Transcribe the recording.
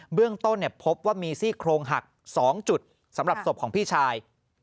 เรื่องต้นพบว่ามีซี่โครงหัก๒จุดสำหรับศพของพี่ชาย